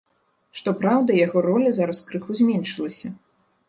Што праўда, яго роля зараз крыху зменшылася.